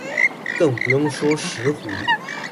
更不用說石虎